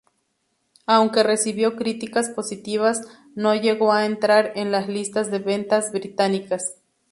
Aunque recibió críticas positivas, no llegó a entrar en las listas de ventas británicas.